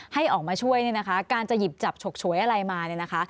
ให้ออกมาช่วยการจะหยิบจับฉกฉวยอะไรมา